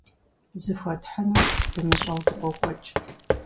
Зыхуэтхьынур дымыщӀэу дыкъокӀуэкӀ.